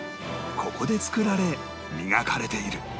ここで作られ磨かれている